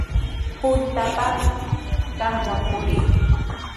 Puntrawpami qamwan purii.